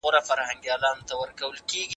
د خپل مسلک اړوند کتابونه لومړی ولولئ.